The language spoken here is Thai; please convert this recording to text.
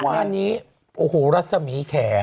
แล้ววันนี้โอ้โฮรัศมีร์แข่